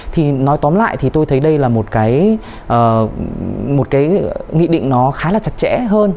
thì nói tóm lại thì tôi thấy đây là một cái nghị định nó khá là chặt chẽ hơn